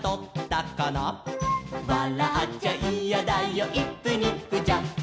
「わらっちゃいやだよイップニップジャンプ」